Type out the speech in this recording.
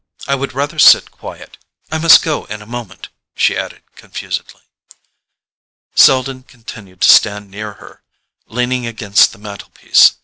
I would rather sit quiet—I must go in a moment," she added confusedly. Selden continued to stand near her, leaning against the mantelpiece.